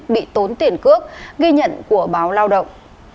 bị tốn tiền cước ghi nhận của báo lao động